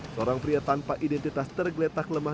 seorang pria tanpa identitas tergeletak lemah